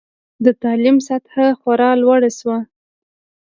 د تعلیم سطحه خورا لوړه شوه.